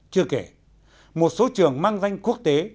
chưa kể một số trường mang danh quốc tế